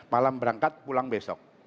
malam berangkat pulang besok